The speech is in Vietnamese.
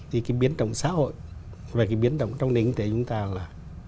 thì cái biến động xã hội về cái biến động trong nền kinh tế chúng ta là